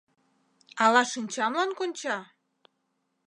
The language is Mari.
— Але шинчамлан конча?